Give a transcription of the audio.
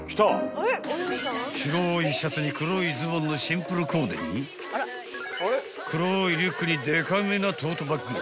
［白いシャツに黒いズボンのシンプルコーデに黒いリュックにでかめなトートバッグ］